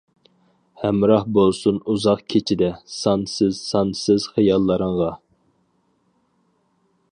ھەمراھ بولسۇن ئۇزاق كېچىدە، سانسىز-سانسىز خىياللىرىڭغا.